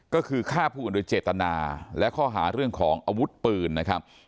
ก็คือฆ่าผู้อื่นโดยเจตนาและข้อหาเรื่องของอาวุธปืนนะครับ